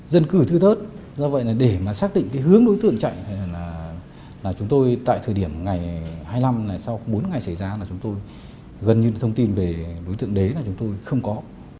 dân cử thư thớt do vậy để xác định hướng đối tượng chạy là chúng tôi tại thời điểm ngày hai mươi năm sau bốn ngày xảy ra là chúng tôi gần như thông tin về đối tượng đế là chúng tôi không có